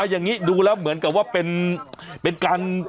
อย่างนี้ดูแล้วเหมือนกับว่าเป็นการ